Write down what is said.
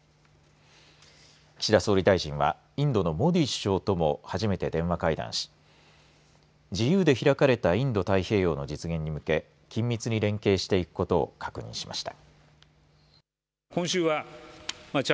岸田総理大臣はインドのモディ首相とも初めて電話会談し自由で開かれたインド太平洋の実現に向け緊密に連携していくことを確認しました。